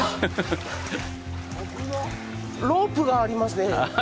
ロープがありますね。